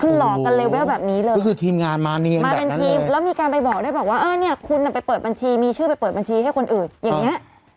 ขึ้นหลอกกันเลยแบบนี้เลยคือทีมงานมาเนี้ยแบบนั้นเลยมาเป็นทีมแล้วมีการไปบอกได้บอกว่าเออเนี้ยคุณน่ะไปเปิดบัญชีมีชื่อไปเปิดบัญชีให้คนอื่นอย่างเงี้ย